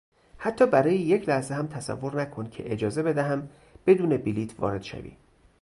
حتی برای یک لحظه هم تصور نکن که اجازه بدهم بدون بلیط وارد شوی.